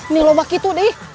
ini lo bakitu deh